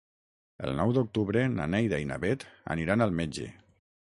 El nou d'octubre na Neida i na Bet aniran al metge.